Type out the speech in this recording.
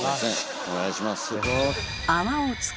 お願いします。